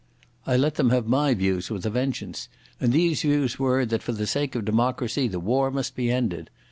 I let them have my views with a vengeance, and these views were that for the sake of democracy the war must be ended.